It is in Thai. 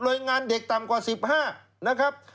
โดยงานเด็กต่ำกว่า๑๕นะครับ